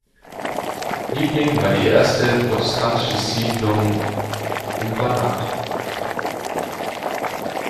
Liebling war die erste protestantische Siedlung im Banat.